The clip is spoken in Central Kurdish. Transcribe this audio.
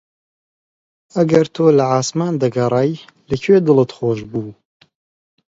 ئەگەر تۆ لە عاسمان دەگەڕای لە کوێ دڵت خۆش بوو؟